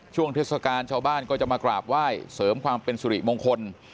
ช่วงเทศกาลชาวบ้านก็จะมากราบไหว้เสริมความเป็นสุริมงคล